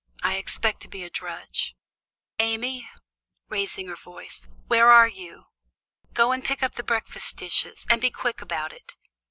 I expect to be a drudge. Amy," raising her voice, "where are you? Go and pick up the breakfast dishes, and be quick about it.